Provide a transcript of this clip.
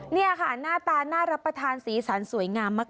นี่ค่ะหน้าตาน่ารับประทานสีสันสวยงามมาก